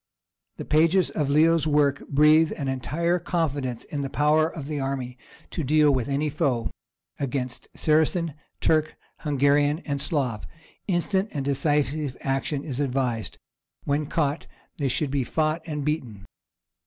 The pages of Leo's work breathe an entire confidence in the power of the army to deal with any foe; against Saracen, Turk, Hungarian, and Slav, instant and decisive action is advised; when caught, they should be fought and beaten.